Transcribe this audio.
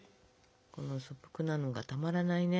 この素朴なのがたまらないね。